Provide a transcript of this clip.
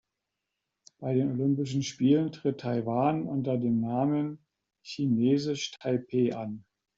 Bei den Olympischen Spielen tritt Taiwan unter dem Namen „Chinesisch Taipeh“ an.